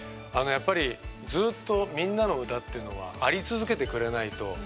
やっぱりずっと「みんなのうた」というのはあり続けてくれないと。